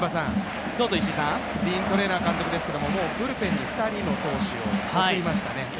ディーン・トレーナー監督ですけどブルペンに２人の投手を送りましたね。